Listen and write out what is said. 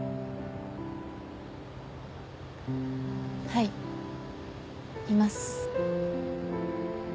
はいいます。